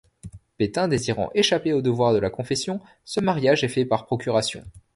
Pétain désirant échapper au devoir de la confession, ce mariage est fait par procuration.